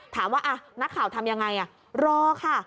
ถามว่านักข่าวทำยังไงรอค่ะ